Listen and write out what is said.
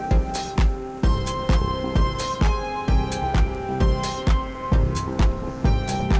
ini kita pake primeira dari bolak lyuray pokok abr gerade